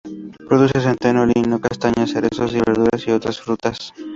Produce centeno, lino, castañas, cerezos, verduras y otras frutas.